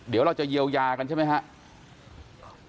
เดี๋ยวเราจะเยียวยากันใช่ไหมครับ